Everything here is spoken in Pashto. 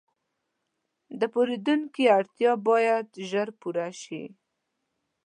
د پیرودونکي اړتیا باید ژر پوره شي.